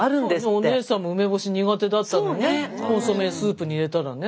お姉さんも梅干し苦手だったのにコンソメスープに入れたらね。